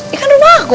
ini kan rumah aku